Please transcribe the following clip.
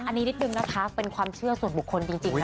อันนี้นิดนึงนะคะเป็นความเชื่อส่วนบุคคลจริงนะ